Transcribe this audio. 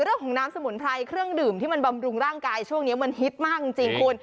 เรื่องของน้ำสมุนไพรเครื่องดื่มที่มันบำรุงร่างกายช่วงนี้มันฮิตมากจริงคุณ